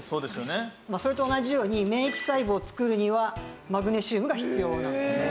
それと同じように免疫細胞を作るにはマグネシウムが必要なんですね。